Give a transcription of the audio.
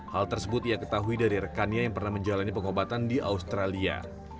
hal tersebut ia ketahui dari rekannya yang pernah menjalani pengobatan di australia